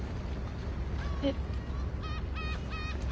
えっ。